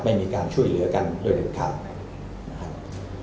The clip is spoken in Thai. ไม่มีการช่วยเหลือกันโดยหนึ่งครับนะครับ